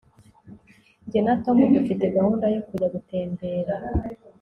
jye na tom dufite gahunda yokujya gutembera